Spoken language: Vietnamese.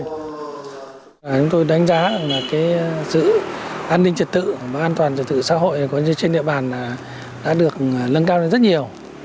chúng tôi đánh giá là giữ an ninh trật tự và an toàn trật tự xã hội trên địa bàn đã được lân cao rất nhiều